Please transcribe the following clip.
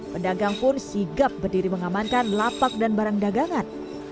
pedagang pun sigap berdiri mengamankan lapak dan barang dagangan